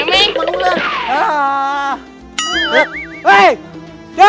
seh kamu tuh ngapain sih